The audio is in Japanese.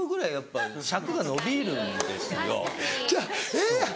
ええやん